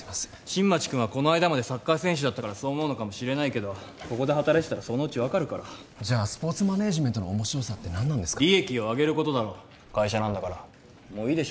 新町君はこの間までサッカー選手だったからそう思うのかもしれないけどここで働いてたらそのうち分かるからじゃあスポーツマネージメントの面白さって何なんですか？